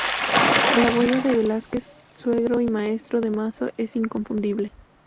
La huella de Velázquez, suegro y maestro de Mazo, es inconfundible.